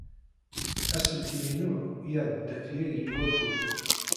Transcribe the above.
Aselkim-inu iɛedda-t yagi wakud.